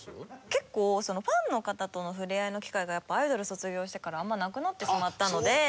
結構ファンの方との触れ合いの機会がやっぱアイドル卒業してからあんまなくなってしまったので。